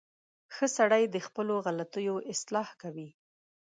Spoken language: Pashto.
• ښه سړی د خپلو غلطیو اصلاح کوي.